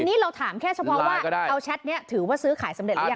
อันนี้เราถามแค่เฉพาะว่าลายก็ได้เอาแชทเนี้ยถือว่าซื้อขายสำเร็จหรือยังใช่ไหม